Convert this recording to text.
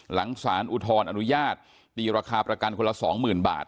หลังสารอุทธรอนุญาตตีราคาประกันคนละ๒๐๐๐บาท